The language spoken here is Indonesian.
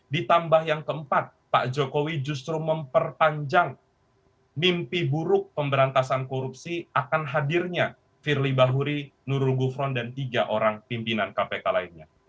ditambah yang keempat pak jokowi justru memperpanjang mimpi buruk pemberantasan korupsi akan hadirnya firly bahuri nurul gufron dan tiga orang pimpinan kpk lainnya